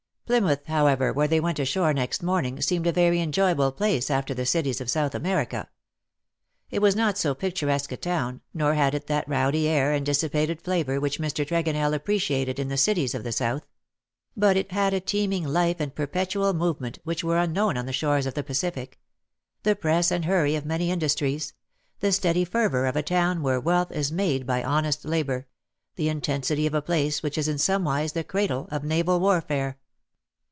95 Plymouth,, however, where they went ashore next morning, seemed a very enjoyable place after the cities of South America. It was not so pic turesque a towU;, nor had it that rowdy air and dissipated flavour which Mr. Tregonell appreciated in the cities of the South; but it had a teeming life and perpetual movement, which were unknown on the shores of the Pacific : the press and hurry of many industries — the steady fervour of a town where wealth is made by honest labour ^— the in tensity of a place which is in somewise the cradle of naval warfare.